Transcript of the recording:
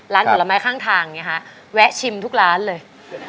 ร้านผลไม้ข้างทางอย่างนี้ฮะแวะชิมทุกร้านเลย